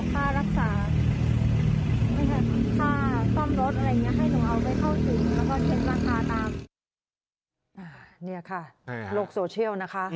เป็นเงินสินใหม่ค่ะ